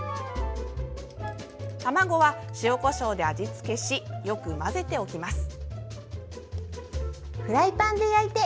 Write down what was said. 卵は塩、こしょうで味付けしよく混ぜておきます。